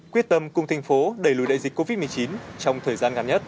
quyết tâm cùng thành phố đẩy lùi đại dịch covid một mươi chín